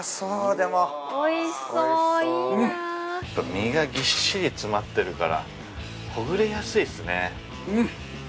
身がギッシリ詰まってるからほぐれやすいですね。